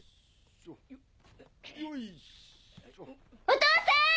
お父さん！